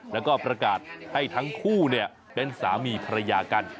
แล้วก็ประกาศให้ทั้งคู่เป็นสามีภรรยากัน